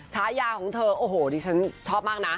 ฉายาของเธอโอ้โหดิฉันชอบมากนะ